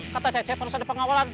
kata cecep harus ada pengawalan